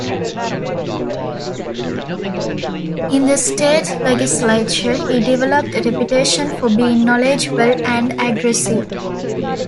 In the state legislature he developed a reputation for being knowledgeable and aggressive.